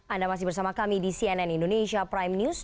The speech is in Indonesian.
anda masih bersama kami di cnn indonesia prime news